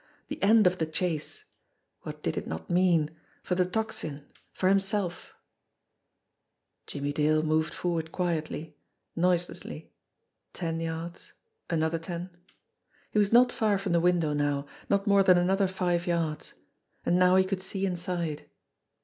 The end of the chase ! What did it not mean for the Tocsin for himself ! Jimmie Dale moved forward quietly, noiselessly ten yards another ten. He was not far from the window now, not more than another five yards. And now he could see inside.